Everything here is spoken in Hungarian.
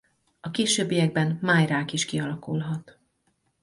A későbbiekben májrák is kialakulhat.